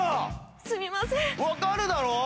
すみません！